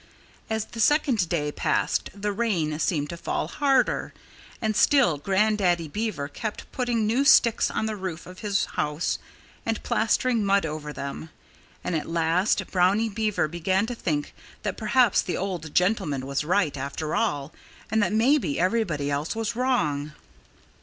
As the second day passed, the rain seemed to fall harder. And still Grandaddy Beaver kept putting new sticks on the roof of his house and plastering mud over them. And at last Brownie Beaver began to think that perhaps the old gentleman was right, after all, and that maybe everybody else was wrong.